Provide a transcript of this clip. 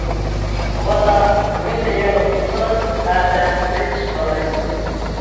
مۇبادا بۈگۈن تەييارلىق قىلمىسىڭىز، ئەتە ھېچ ئىشنى قىلالمايسىز.